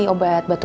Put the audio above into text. dia dah tanda